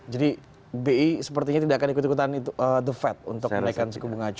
jadi bi sepertinya tidak akan ikut ikutan itu the fed untuk menaikkan suku bunga